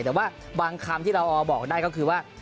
แต่ว่าบางคำที่เราบอกได้ก็คือว่า